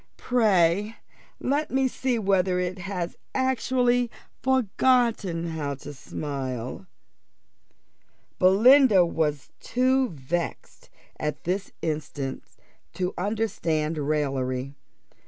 Pray let me see whether it has actually forgotten how to smile." Belinda was too much vexed at this instant to understand raillery.